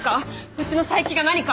うちの佐伯が何か？